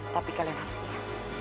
tapi kalian harus ingat